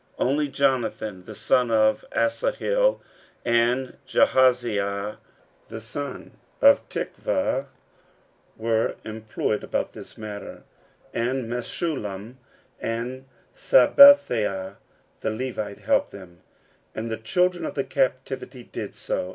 15:010:015 Only Jonathan the son of Asahel and Jahaziah the son of Tikvah were employed about this matter: and Meshullam and Shabbethai the Levite helped them. 15:010:016 And the children of the captivity did so.